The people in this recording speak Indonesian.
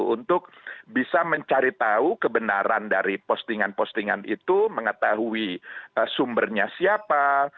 untuk bisa mencari tahu kebenaran dari postingan postingan itu mengetahui sumbernya siapa